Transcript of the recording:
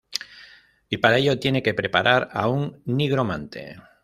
Y para ello tiene que preparar a un nigromante.